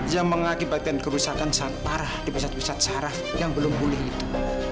yang mengakibatkan kerusakan sangat parah di pusat pusat saraf yang belum pulih itu